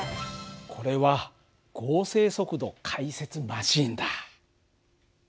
これは合成速度解説マシーンだ。